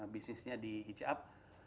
bisnisnya di hiccup